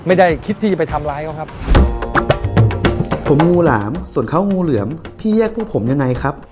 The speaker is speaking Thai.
ไม่ได้คิดที่จะไปทำร้ายเขาครับ